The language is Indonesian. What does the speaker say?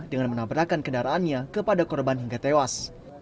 dengan menabrakan kendaraannya kepada korban hingga tewas